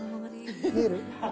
見える？